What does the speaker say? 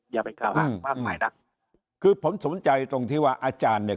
อย่าไปกล่าวหามากมายนักคือผมสนใจตรงที่ว่าอาจารย์เนี่ย